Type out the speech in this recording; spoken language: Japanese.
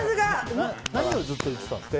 何をずっと言ってたんですか？